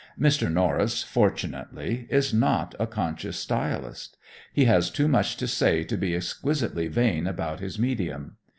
Mr. Norris, fortunately, is not a conscious stylist. He has too much to say to be exquisitely vain about his medium.